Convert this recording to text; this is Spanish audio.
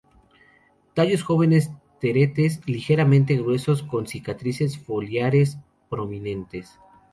Tallos jóvenes teretes, ligeramente gruesos con cicatrices foliares prominentes.